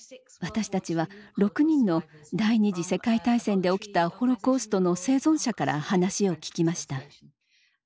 私たちは６人の第２次世界大戦で起きたホロコーストの生存者から話を聞きました。